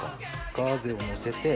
ガーゼをのせて。